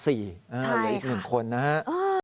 อีก๑คนนะฮะ